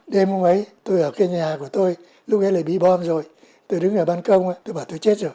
đêm hôm ấy tôi ở cái nhà của tôi lúc ấy lại bị bom rồi tôi đứng ở bàn công tôi bảo tôi chết